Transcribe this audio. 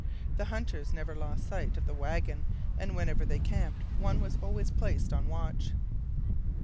The hunters never lost sight of the wagon, and whenever they camped, one was always placed on watch.